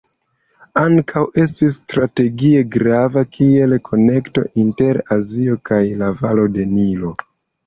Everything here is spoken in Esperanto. Ankaŭ estis strategie grava kiel konekto inter Azio kaj la valo de Nilo.